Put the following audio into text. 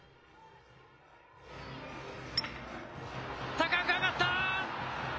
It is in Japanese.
高く上がった。